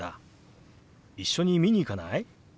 一緒に見に行かない？